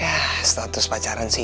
ya status pacaran sih